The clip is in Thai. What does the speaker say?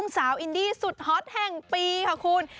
สาวอินดี้สุดฮอตแห่งปีค่ะคุณ